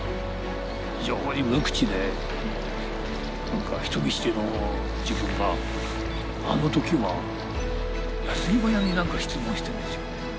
非常に無口で人見知りの自分があの時は矢継ぎ早になんか質問してるんですよね。